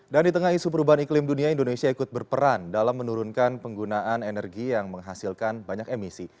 dan di tengah isu perubahan iklim dunia indonesia ikut berperan dalam menurunkan penggunaan energi yang menghasilkan banyak emisi